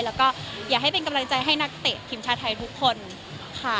แล้วก็อยากให้เป็นกำลังใจให้นักเตะทีมชาติไทยทุกคนค่ะ